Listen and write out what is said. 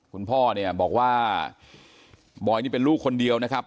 คุณพ่อเนี่ยบอกว่าบอยนี่เป็นลูกคนเดียวนะครับ